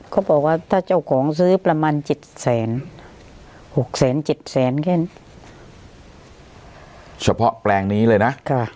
แค่จะของซื้อประมาณ๗๑๐๐๖๐๐๗๐๐เฉพาะแปลงนี้เลยนะ๖๐๐๗๐๐